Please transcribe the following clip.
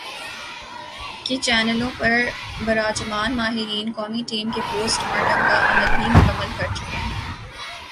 کی چینلوں پر براجمان "ماہرین" قومی ٹیم کے پوسٹ مارٹم کا عمل بھی مکمل کر چکے ہیں ۔